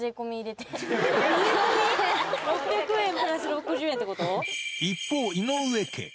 ６００円プラス６０円ってこ一方、井上家。